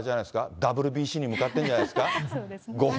ＷＢＣに向かってるんじゃないですか。